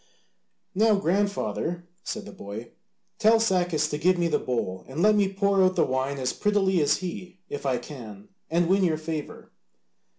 "Now, grandfather," said the boy, "tell Sacas to give me the bowl, and let me pour out the wine as prettily as he if I can, and win your favour."